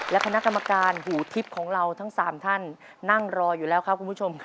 และคณะกรรมการหูทิพย์ของเราทั้ง๓ท่านนั่งรออยู่แล้วครับคุณผู้ชมครับ